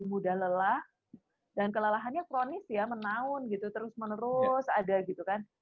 mudah lelah dan kelelahannya kronis ya menaun gitu terus menerus ada gitu kan